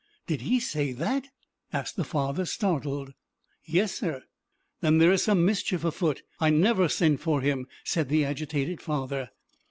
"Did he say that?" asked the father, startled. "Yes, sir." "Then there is some mischief afoot. I never sent for him," said the agitated father.